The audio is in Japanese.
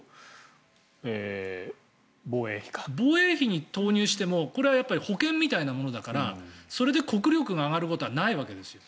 防衛費に投入してもこれは保険みたいなものだからそれで国力が上がることはないわけですよ。